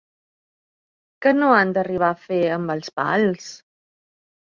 Què no han d'arribar a fer amb els pals?